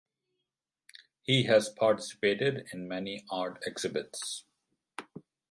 He has participated in many art exhibits.